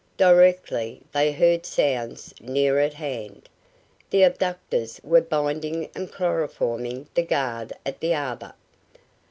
Directly they heard sounds near at hand. The abductors were binding and chloroforming the guard at the arbor.